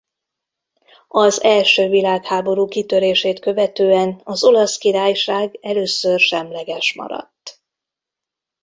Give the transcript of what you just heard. Az első világháború kitörését követően az Olasz Királyság először semleges maradt.